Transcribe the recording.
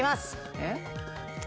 えっ？